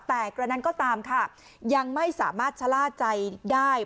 แต่กระนั้นก็ตามค่ะยังไม่สามารถชะล่าใจได้